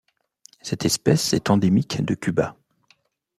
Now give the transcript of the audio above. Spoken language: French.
Cette espèce est endémique de Cuba.